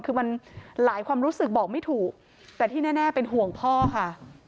คือมันหลายความรู้สึกบอกไม่ถูกแต่ที่แน่เป็นห่วงพ่อค่ะ